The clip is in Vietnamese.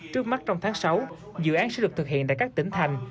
trước mắt trong tháng sáu dự án sẽ được thực hiện tại các tỉnh thành